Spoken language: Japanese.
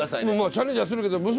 チャレンジはするけど娘